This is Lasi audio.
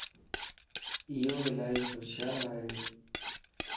ايو الائي ھوشيار ائي